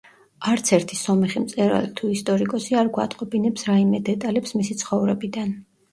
არც ერთი სომეხი მწერალი თუ ისტორიკოსი არ გვატყობინებს რაიმე დეტალებს მისი ცხოვრებიდან.